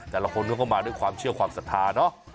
แต่ละคนเขาก็มาด้วยความเชื่อความศรัทธาเนอะ